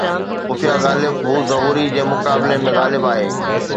خفيه غالب هون ظهوري جي مقابلي ۾ غالب آهي